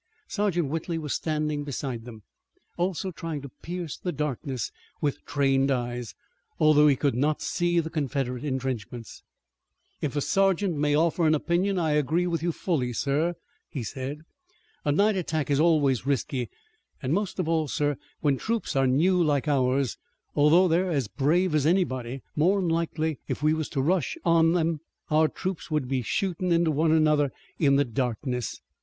Sergeant Whitley was standing beside them, also trying to pierce the darkness with trained eyes, although he could not see the Confederate intrenchments. "If a sergeant may offer an opinion I agree with you fully, sir," he said. "A night attack is always risky, an' most of all, sir, when troops are new like ours, although they're as brave as anybody. More'n likely if we was to rush on 'em our troops would be shootin' into one another in the darkness."